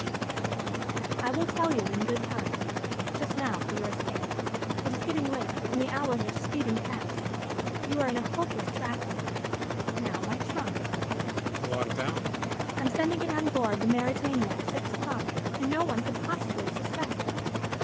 "I will tell you in good time. Just now for your escape. It is getting late, and the hours are speeding past. You are in a hopeless trap here. Now, my trunk..." "What about it?" "I am sending it on board the Mauretania at six o'clock, and no one could possibly suspect."